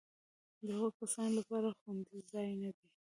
د هغو کسانو لپاره خوندي ځای نه دی.